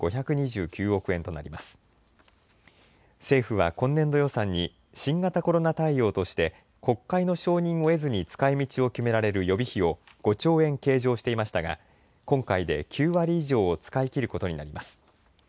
政府は今年度予算に新型コロナ対応として国会の承認を得ずに使いみちを決められる予備費を５兆円計上していましたが今回で９割以上を使い切ることになります。